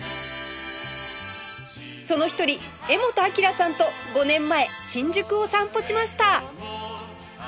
その一人柄本明さんと５年前新宿を散歩しました